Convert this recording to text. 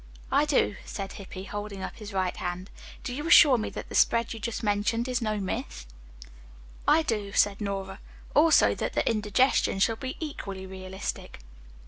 "I do," said Hippy, holding up his right hand. "Do you assure me that the spread you just mentioned is no myth?" "I do," said Nora, "also that the indigestion, shall be equally realistic."